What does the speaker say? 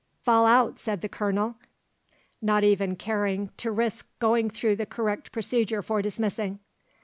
"Fall out," said the Colonel, not even caring to risk going through the correct procedure for dismissing.